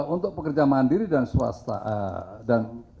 untuk pekerja mandiri dan swasta